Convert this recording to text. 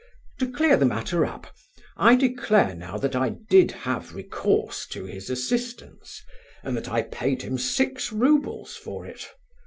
To clear the matter up, I declare now that I did have recourse to his assistance, and that I paid him six roubles for it.